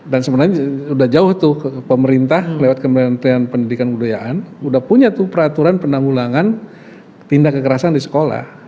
dan sebenarnya udah jauh tuh pemerintah lewat kementerian pendidikan budayaan udah punya tuh peraturan penanggulangan tindak kekerasan di sekolah